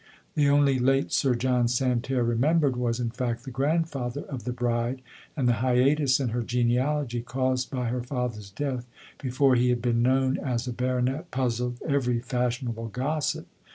The only late Sir John San 114 LODORE. terre remembered, was, in fact, the grandfather of the bride, and the hiatus in her genealogy, caused by her father's death before he had been known as a baronet, puzzled every fashion able gossip.